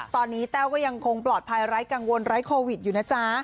ตอนนี้แต้วก็ยังคงปลอดภัยไร้กังวลไร้โควิดอยู่นะจ๊ะ